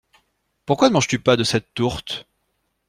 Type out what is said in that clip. Pourquoi ne manges-tu pas de cette tourte?